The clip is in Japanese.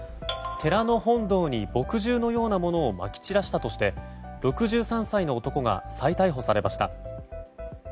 寺の本堂に墨汁のようなものをまき散らしたとして６３歳の男が再逮捕されました。